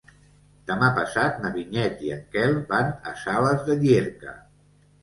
Demà passat na Vinyet i en Quel van a Sales de Llierca.